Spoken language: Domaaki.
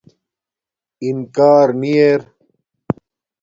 اِنکار نی اِر